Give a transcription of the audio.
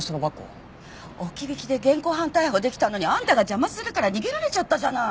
置き引きで現行犯逮捕できたのにあんたが邪魔するから逃げられちゃったじゃない！